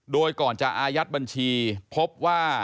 โดยก่อนจะอายัดบัญชีพบว่า